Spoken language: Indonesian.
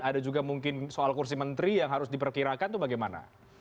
ada juga mungkin soal kursi menteri yang harus diperkirakan itu bagaimana